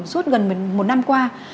suốt gần một năm qua